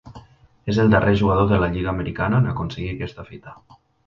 És el darrer jugador de la Lliga Americana en aconseguir aquesta fita.